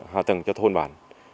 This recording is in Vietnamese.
hạ tầng cho thôn bản